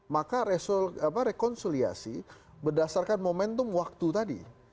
maka resolusi apa rekonsiliasi berdasarkan momentum waktu tadi